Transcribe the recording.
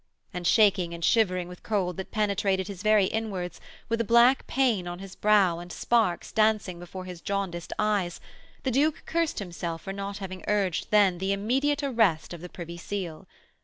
And, shaking and shivering with cold that penetrated his very inwards, with a black pain on his brow and sparks dancing before his jaundiced eyes, the Duke cursed himself for not having urged then the immediate arrest of the Privy Seal.